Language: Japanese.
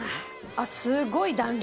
あっすごい弾力。